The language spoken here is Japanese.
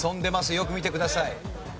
よく見てください。